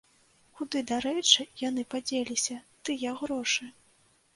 Куды, дарэчы, яны падзеліся, тыя грошы?